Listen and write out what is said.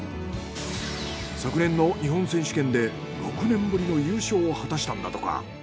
昨年の日本選手権で６年ぶりの優勝を果たしたんだとか。